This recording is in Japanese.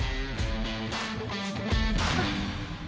あっ。